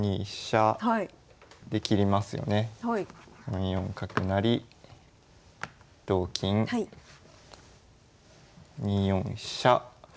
２四角成同金２四飛車。